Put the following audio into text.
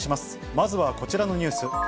まずはこちらのニュース。